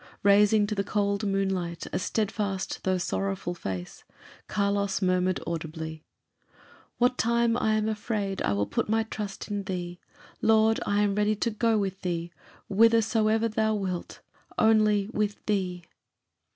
Raising to the cold moonlight a steadfast though sorrowful face, Carlos murmured audibly, "What time I am afraid I will put my trust in thee. Lord, I am ready to go with thee, whithersoever thou wilt; only with thee."